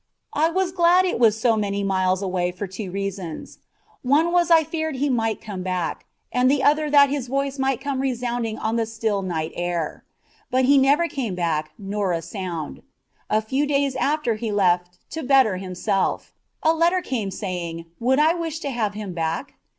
I was glad it was so many miles away for two reasons. One was I feared he might come back, and the other that his voice might come resounding on the still night air. But he never came back nor a sound. A few days after he left "to better himself," a letter came saying, would I wish to have him back?